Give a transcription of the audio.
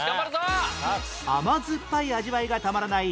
甘酸っぱい味わいがたまらない